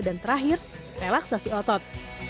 dan terakhir relaksasi otot